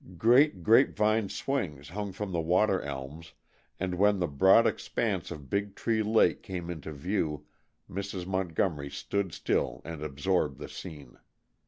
Great grapevine swings hung from the water elms, and when the broad expanse of Big Tree Lake came into view Mrs. Montgomery stood still and absorbed the scene.